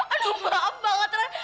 aduh maaf banget ran